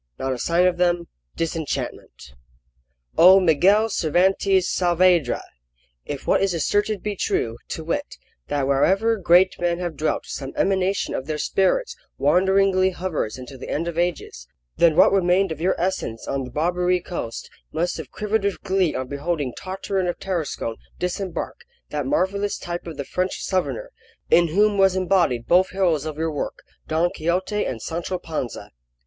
Not a sign of them Disenchantment O MIGUEL CERVANTES SAAVEDRA, if what is asserted be true, to wit, that wherever great men have dwelt some emanation of their spirits wanderingly hovers until the end of ages, then what remained of your essence on the Barbary coast must have quivered with glee on beholding Tartarin of Tarascon disembark, that marvellous type of the French Southerner, in whom was embodied both heroes of your work, Don Quixote and Sancho Panza.